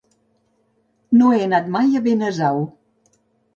No he anat mai a Benasau.